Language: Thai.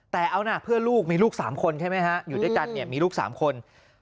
แต่เอานะเพื่อลูกมีลูก๓คนใช่ไหมฮะอยู่ด้วยกันเนี่ยมีลูก๓คน